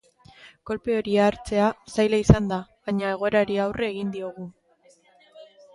Kolpe hori hartzea zaila izan da, baina egoerari aurre egin diogu.